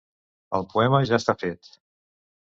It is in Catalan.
El poema ja està fet.